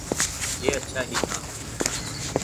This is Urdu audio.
یہ اچھا ہی تھا۔